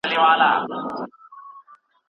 په خوب یې نه وینو، وطن نه لرې خوب چېرې دی؟